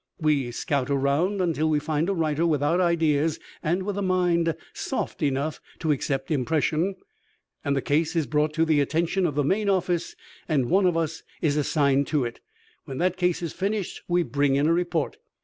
We scout around until we find a writer without ideas and with a mind soft enough to accept impression. The case is brought to the attention of the main office, and one of us assigned to it. When that case is finished we bring in a report."